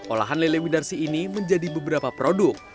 olahan lele widarsi ini menjadi beberapa produk